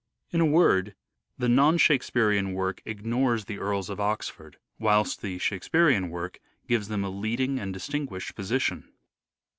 In a word, the non Shakespearean work ignores the Earls of Oxford, whilst the Shakespearean work gives them a leading and distinguished position.